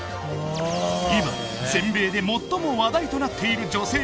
今全米で最も話題となっている女性